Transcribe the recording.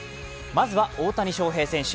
まずは大谷翔平選手。